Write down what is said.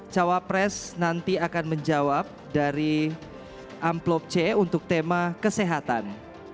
cawapres nanti akan menjawab dari amplop c untuk tema kesehatan